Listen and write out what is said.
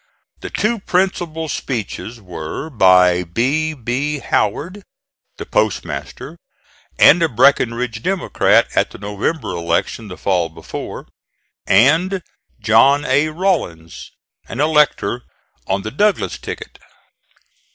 The two principal speeches were by B. B. Howard, the post master and a Breckinridge Democrat at the November election the fall before, and John A. Rawlins, an elector on the Douglas ticket.